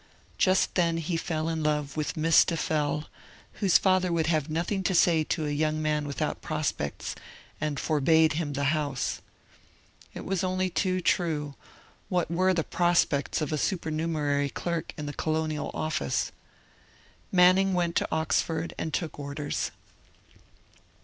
Just then he fell in love with Miss Deffell, whose father would have nothing to say to a young man without prospects, and forbade him the house. It was only too true; what WERE the prospects of a supernumerary clerk in the Colonial Office? Manning went to Oxford and took orders.